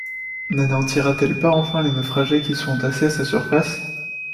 N’anéantira-t-elle pas enfin les naufragés qui sont entassés à sa surface?